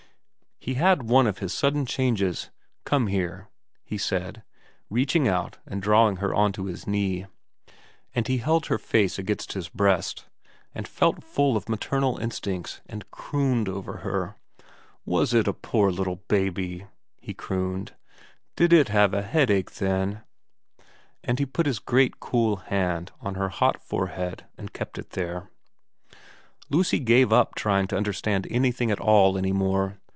He had one of his sudden changes. * Come here,* he said, reaching out and drawing her on to his knee ; and he held her face against his breast, and felt full of maternal instincts, and crooned over her. ' Was it a poor little baby,' he crooned. ' Did it have a headache then ' And he put his great cool hand on her hot forehead and kept it there. Lucy gave up trying to understand anything at all any more.